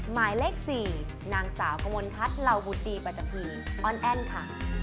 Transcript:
หมายเลขสี่นางสาวกมลคัตลาวุฒิปัจจักรีออนแอนค่ะ